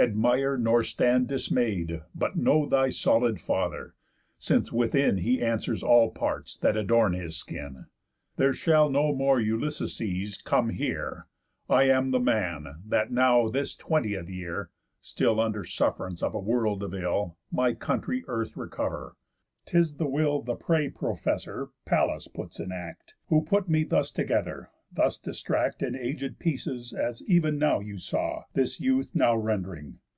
Admire, nor stand dismay'd, But know thy solid father; since within He answers all parts that adorn his skin. There shall no more Ulyssesses come here. I am the man, that now this twentieth year (Still under suff'rance of a world of ill) My country earth recover. 'Tis the will The prey professor Pallas puts in act, Who put me thus together, thus distract In aged pieces as ev'n now you saw, This youth now rend'ring.